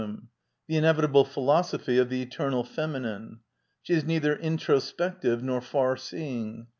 — the inevitable philosophy oFthe eternal feminine. She is neither introspective nor far seeing.